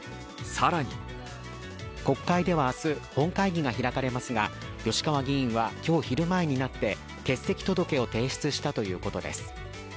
更に国会では明日、本会議が開かれますが吉川議員は今日昼前になって欠席届を提出したということです。